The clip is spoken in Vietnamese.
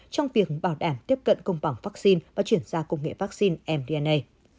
trong việc bảo đảm tiếp cận công bằng vaccine và chuyển ra công nghệ vaccine mdna